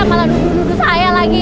malah dudu duduk saya lagi